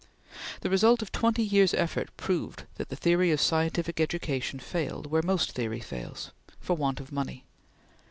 The result of twenty years' effort proved that the theory of scientific education failed where most theory fails for want of money.